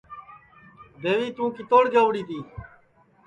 دیوی تُوں کِتوڑ گئوڑی تی